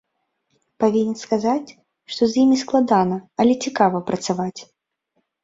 Павінен сказаць, што з імі складана, але цікава працаваць.